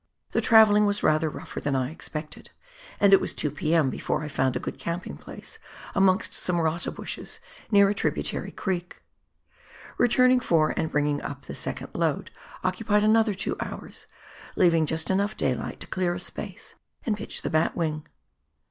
The travelling was rather rougher than I expected, and it was two p.m. before I found a good camping place amongst some rata bushes near a tributary' creek. Returning for and bringing up the second load occupied another two hours, leaving just enough daylight to clear a space and pitch the batwing.